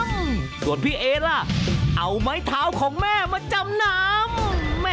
ส่วนพี่เอ๋เอาไม้เท้าของแม่มาจำนำ